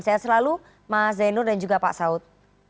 saya selalu mas zainul dan juga pak saud